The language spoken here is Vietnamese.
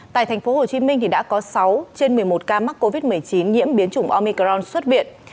tại tp hcm đã có sáu trên một mươi một ca mắc covid một mươi chín nhiễm biến chủng omicron xuất viện